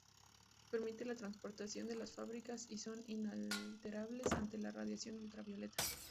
Permiten la transpiración de las fábricas y son inalterables ante la radiación ultravioleta.